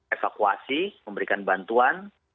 evakuasi memberikan bantuan